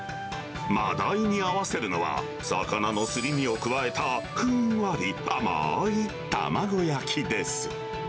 真だいに合わせるのは、魚のすり身を加えたふんわり甘ーい卵焼きです。